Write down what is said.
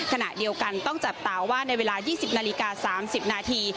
ขณะเดียวกันต้องจับตาว่าในเวลา๒๐นาฬิกา๓๐นาที